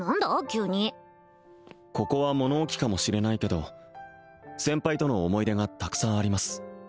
急にここは物置かもしれないけど先輩との思い出がたくさんあります